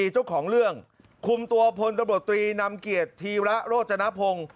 เจ้าของเรื่องคุมตัวพลตำรวจตรีนำเกียรติธีระโรจนพงศ์